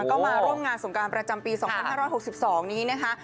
ก็มาร่วมงานสงการประจำปี๒๕๖๒นี้นะคะ